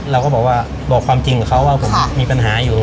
เราก็บอกว่าบอกความจริงกับเขาว่าผมมีปัญหาอยู่